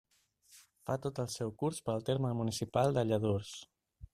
Fa tot el seu curs pel terme municipal de Lladurs.